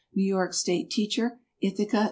New York State Teacher, Ithaca, N.